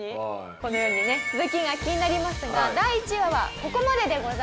このようにね続きが気になりますが第１話はここまででございます。